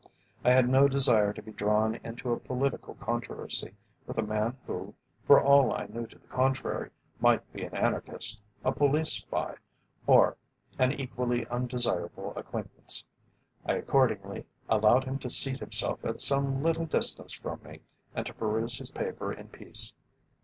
I had no desire to be drawn into a political controversy with a man who, for all I knew to the contrary, might be an anarchist, a police spy, or an equally undesirable acquaintance. I accordingly allowed him to seat himself at some little distance from me and to peruse his paper in peace.